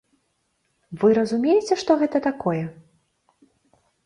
Вы разумееце, што гэта такое?